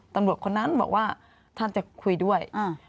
ตำรวจคนนั้นบอกว่าท่านจะคุยด้วย